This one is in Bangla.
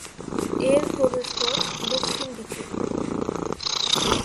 এর প্রবেশপথ দক্ষিণ দিকে।